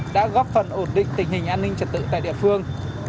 đã góp phần ổn định tình hình an ninh trật tự tại địa phương